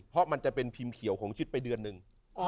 เพราะมันจะเป็นพิมพ์เขียวของชิดไปเดือนหนึ่ง